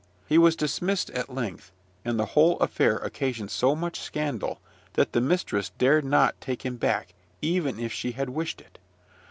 He was dismissed at length; and the whole affair occasioned so much scandal, that the mistress dared not take him back, even if she had wished it.